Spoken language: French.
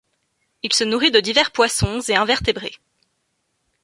Il se nourrit de divers poissons et invertébrés.